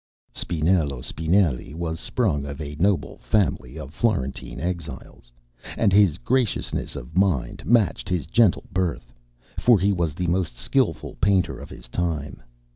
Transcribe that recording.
Spinello Spinelli was sprung of a noble family of Florentine exiles, and his graciousness of mind matched his gentle birth; for he was the most skilful painter of his time.